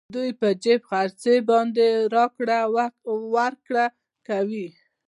دوی په جېب خرچې باندې راکړه ورکړه کوي